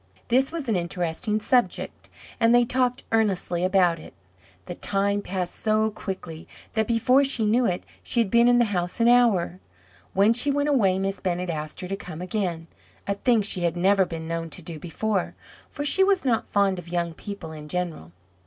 This was an interesting subject, and they talked earnestly about it. The time passed so quickly that, before she knew it, she had been in the house an hour. When she went away Miss Bennett asked her to come again, a thing she had never been known to do before, for she was not fond of young people in general.